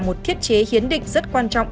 một thiết chế hiến định rất quan trọng